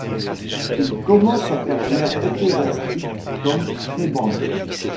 Il commence sa carrière ecclésiastique comme prébende.